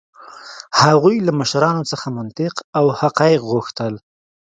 هغوی له مشرانو څخه منطق او حقایق غوښتل.